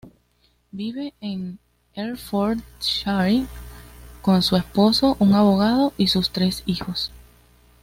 Vive en Hertfordshire con su esposo, un abogado, y sus tres hijos.